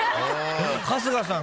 春日さん